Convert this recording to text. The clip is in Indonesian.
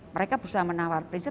mereka berusaha menawar prinsip